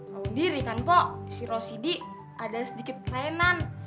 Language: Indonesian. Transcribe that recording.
mau diri kan po si rosidi ada sedikit kerenan